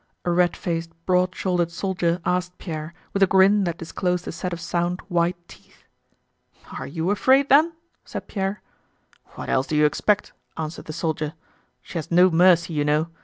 a red faced, broad shouldered soldier asked Pierre, with a grin that disclosed a set of sound, white teeth. "Are you afraid, then?" said Pierre. "What else do you expect?" answered the soldier. "She has no mercy, you know!